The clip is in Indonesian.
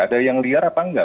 ada yang liar apa enggak